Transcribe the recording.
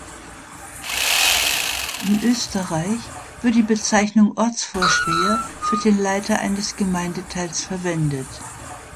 In Österreich wird die Bezeichnung Ortsvorsteher für den Leiter eines Gemeindeteils verwendet.